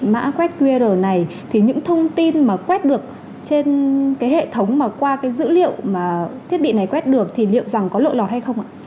mã quét qr này thì những thông tin mà quét được trên cái hệ thống mà qua cái dữ liệu mà thiết bị này quét được thì liệu rằng có lộ lọt hay không ạ